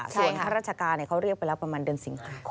ส่วนข้าราชการเขาเรียกไปแล้วประมาณเดือนสิงหาคม